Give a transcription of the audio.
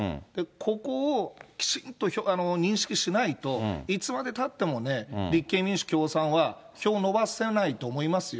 ここをきちんと認識しないと、いつまでたってもね、立憲民主、共産は票を伸ばせないと思いますよ。